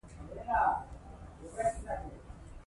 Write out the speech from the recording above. نرګس سترګې، سروه قده، د نرۍ ملا خاونده ده